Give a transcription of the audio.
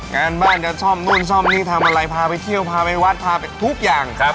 งานบ้านจะซ่อมนู่นซ่อมนี่ทำอะไรพาไปเที่ยวพาไปวัดพาไปทุกอย่างครับ